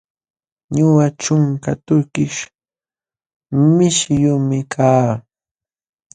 Ñuqa ćhunka tukish mishiyuqmi kaa.